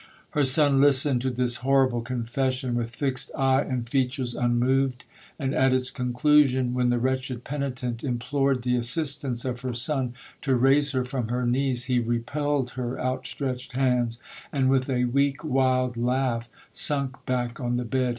'Her son listened to this horrible confession with fixed eye and features unmoved; and at its conclusion, when the wretched penitent implored the assistance of her son to raise her from her knees, he repelled her outstretched hands, and with a weak wild laugh, sunk back on the bed.